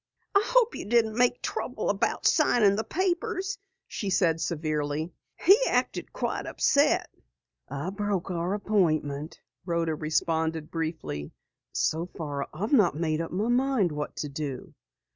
"I hope you didn't make trouble about signing the papers," she said severely. "He acted quite upset." "I broke our appointment," Rhoda responded briefly. "So far I've not made up my mind what to do."